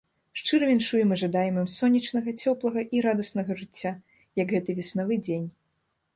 Шчыра віншуем і жадаем ім сонечнага, цёплага і радаснага жыцця, як гэты веснавы дзень.